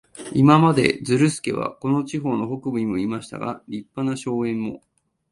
今まで、ズルスケはこの地方の北部にいましたが、立派な荘園も、